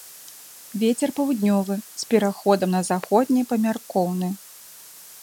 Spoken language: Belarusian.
Вецер паўднёвы з пераходам на заходні памяркоўны.